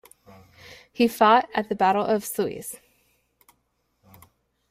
He fought at the Battle of Sluys.